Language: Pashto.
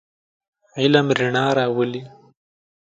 علم رڼا راولئ.